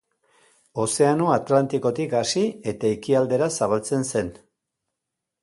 Ozeano Atlantikotik hasi eta ekialdera zabaltzen zen.